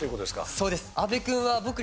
そうです。